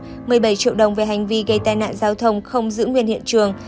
một mươi bảy triệu đồng về hành vi gây tai nạn giao thông không giữ nguyên hiện trường